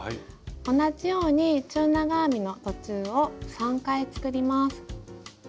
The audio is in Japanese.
同じように中長編みの途中を３回作ります。